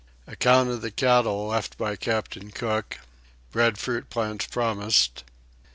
Account of the Cattle left by Captain Cook. Breadfruit plants promised.